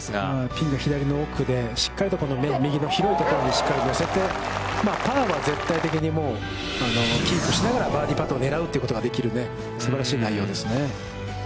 ピンが左の奥でしっかりと右の広いところにしっかり乗せて、パーは絶対的にキープしながらバーディーパットを狙うということができるすばらしい内容ですね。